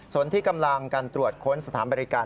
ส่วนที่กำลังการตรวจค้นสถานบริการ